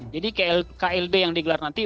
jadi klb yang digelar nanti